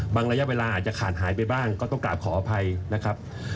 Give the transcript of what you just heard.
ระยะเวลาอาจจะขาดหายไปบ้างก็ต้องกลับขออภัยนะครับ